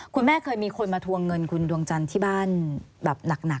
คุณแม่เคยมีคนมาทวงเงินคุณดวงจันทร์ที่บ้านแบบหนัก